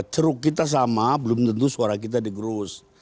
ceruk kita sama belum tentu suara kita di gerus